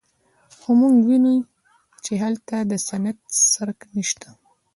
خو موږ ویني چې هلته د صنعت څرک نشته